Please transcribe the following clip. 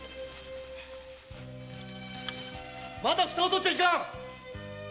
まだ蓋を取っちゃいかん！